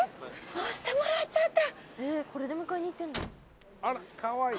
乗せてもらっちゃった！